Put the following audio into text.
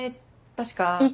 確か。